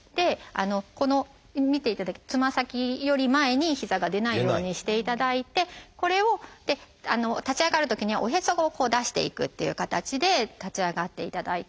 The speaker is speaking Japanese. このつま先より前に膝が出ないようにしていただいてこれを立ち上がるときにはおへそを出していくっていう形で立ち上がっていただいて。